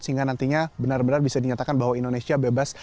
sehingga nantinya benar benar bisa dinyatakan bahwa indonesia bebas